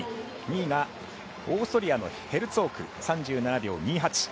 ２位がオーストリアのヘルツォーク、３７秒２８。